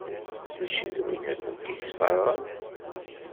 Mačči d winna i kent-yesfeṛɣen?